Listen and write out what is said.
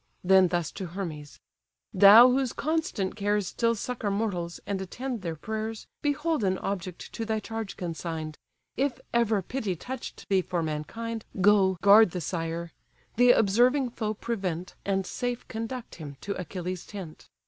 Then thus to Hermes: "Thou whose constant cares Still succour mortals, and attend their prayers; Behold an object to thy charge consign'd: If ever pity touch'd thee for mankind, Go, guard the sire: the observing foe prevent, And safe conduct him to Achilles' tent."